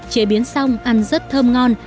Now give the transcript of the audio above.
chế biến xong ăn rất thơm ngon